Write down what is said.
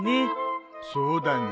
そうだね。